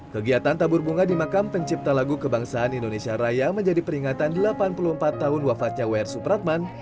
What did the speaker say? kegiatan tabur bunga di makam pencipta lagu kebangsaan indonesia raya menjadi peringatan delapan puluh empat tahun wafatnya wr supratman